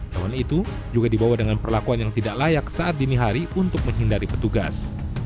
hewan itu juga dibawa dengan perlakuan yang tidak layak saat dini hari untuk menghindari petugas